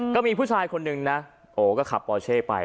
ก็มีผู้ชายคนนึงนะโอ้ก็ขับปอเช่ไป